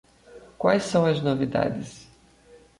Quais são as novidades?